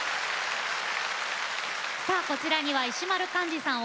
こちらには、石丸幹二さん